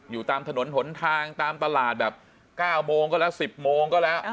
อยู่ตามถนนหนทางตามตลาดแบบ๙โมงก็แล้ว๑๐โมงก็แล้ว